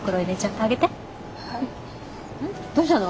どうしたの？